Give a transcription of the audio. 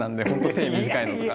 手短いのとか。